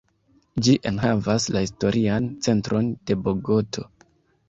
Ĝi enhavas la historian centron de Bogoto.